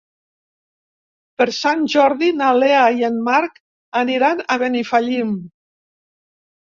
Per Sant Jordi na Lea i en Marc aniran a Benifallim.